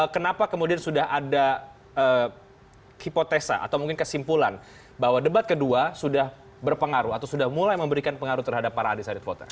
kenapa kemudian sudah ada hipotesa atau mungkin kesimpulan bahwa debat kedua sudah berpengaruh atau sudah mulai memberikan pengaruh terhadap para undecided voters